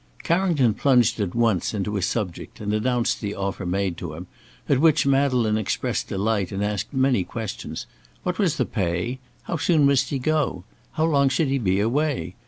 Carrington plunged at once into his subject, and announced the offer made to him, at which Madeleine expressed delight, and asked many questions. What was the pay? How soon must he go? How long should he be away?